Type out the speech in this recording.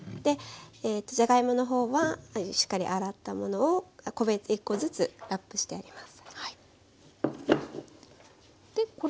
じゃがいものほうはしっかり洗ったものを１個ずつラップしてあげます。